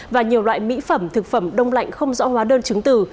và nhiều loại mỹ phẩm thực phẩm đông lạnh không rõ hóa đơn chứng từ